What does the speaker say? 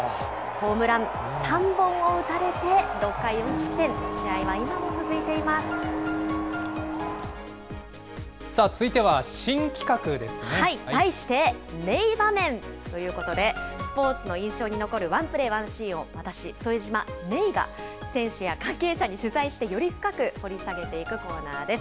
ホームラン３本を打たれて６回無さあ続いては、題して、メイ場面ということで、スポーツの印象に残るワンプレー、ワンシーンを私、副島萌生が選手や関係者に取材して、より深く掘り下げていくコーナーです。